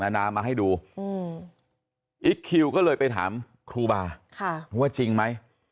นานามาให้ดูอิ๊กคิวก็เลยไปถามครูบาว่าจริงไหม